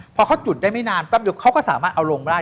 พอเขาจุดได้ไม่นานแป๊บเดียวเขาก็สามารถเอาลงมาได้